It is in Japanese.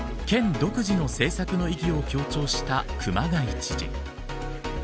独自の政策の意義を強調した熊谷知事。